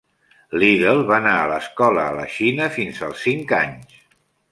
Liddell va anar a l'escola a la Xina fins als cinc anys.